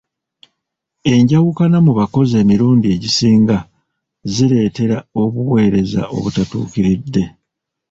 Enjawukana mu bakozi emirundi egisinga zireetera obuweereza obtatuukiridde.